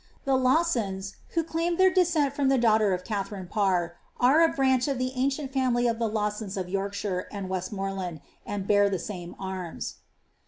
The Lawsons, who slaim their descent from the daughter of Katharine Parr, are a branch if the ancient family of the Lawsons of Yorkshire and Westmoreland, did bear the same arms.